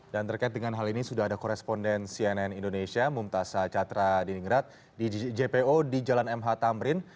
dan terkait dengan hal ini sudah ada koresponden cnn indonesia mumtazah catra di ngerat di jpo di jalan mh tamrin